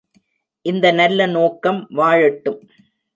இந்த நல்ல நோக்கம் வாழட்டும்!